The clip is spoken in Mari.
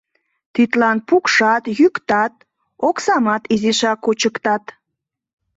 Тидлан пукшат-йӱктат, оксамат изишак кучыктат.